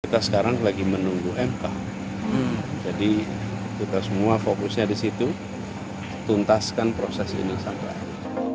kita sekarang lagi menunggu mk jadi kita semua fokusnya di situ tuntaskan proses ini sampai hari